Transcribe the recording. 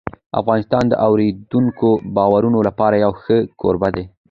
افغانستان د اورېدونکو بارانونو لپاره یو ښه کوربه دی.